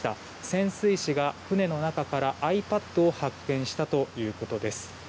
潜水士が船の中からｉＰａｄを発見したということです。